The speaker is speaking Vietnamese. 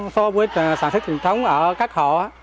so với sản xuất truyền thống ở các hộ